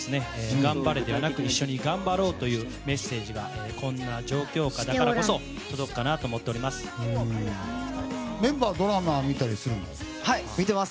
頑張れではなく一緒に頑張ろうというメッセージがこんな状況下だからこそ届くかなと思っています。